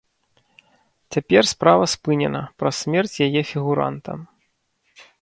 Цяпер справа спынена праз смерць яе фігуранта.